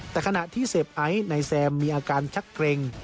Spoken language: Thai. แต่ขณะที่เสพไอซ์นายแซมมีอาการชักเกร็ง